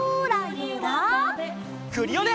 クリオネ！